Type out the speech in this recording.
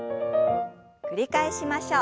繰り返しましょう。